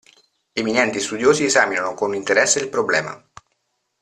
Eminenti studiosi esaminano con interesse il problema.